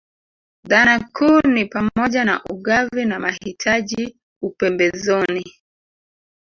Dhana kuu ni pamoja na ugavi na mahitaji upembezoni